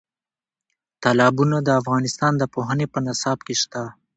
تالابونه د افغانستان د پوهنې په نصاب کې شته.